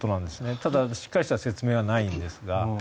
ただ、しっかりした説明はないんですが。